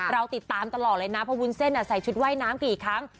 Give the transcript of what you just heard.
เราติดตามตลอดเลยนะเพราะวุ้นเส้นใส่ชุดว่ายน้ำกี่ครั้ง